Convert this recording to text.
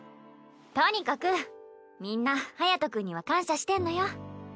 とにかくみんな隼君には感謝してんのよ。